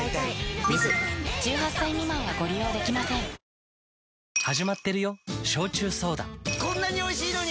メロメロこんなにおいしいのに。